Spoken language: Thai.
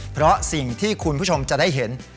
เพราะสิ่งที่คุณผู้ชมจะได้เห็น